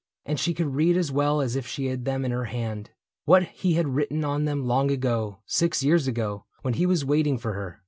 And she could read As well as if she had them in her hand. What he had written on them long ago, — Six years ago, when he was waiting for her.